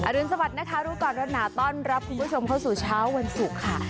รุนสวัสดินะคะรู้ก่อนร้อนหนาต้อนรับคุณผู้ชมเข้าสู่เช้าวันศุกร์ค่ะ